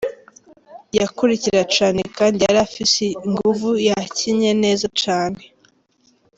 Yakurikira cane kandi yari afise inguvu, yakinye neza cane.